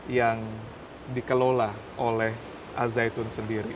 yang dikelola oleh azayitun sendiri